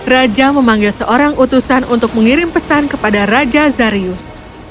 raja memanggil seorang utusan untuk mengirim pesan kepada raja zarius